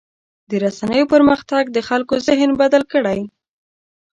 د رسنیو پرمختګ د خلکو ذهن بدل کړی.